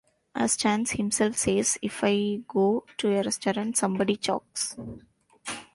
As Chance himself says, If I go to a restaurant, somebody chokes.